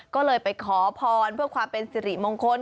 ก็เลยไปขอพรเพื่อความเป็นสิริมงคล